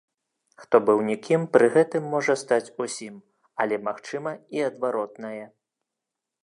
Хто быў нікім пры гэтым можа стаць усім, але магчыма і адваротнае.